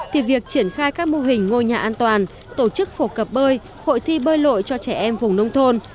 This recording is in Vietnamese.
thì việc triển khai các mô hình ngôi nhà an toàn tổ chức phổ cập bơi hội thi bơi lội cho trẻ em vùng nông thôn